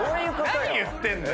何言ってんの？